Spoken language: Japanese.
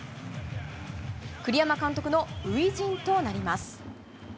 栗山監督の初陣となります。